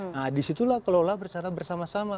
nah disitulah kelola secara bersama sama